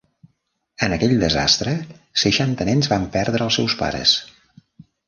En aquell desastre, seixanta nens van perdre els seus pares.